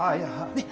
ねっ。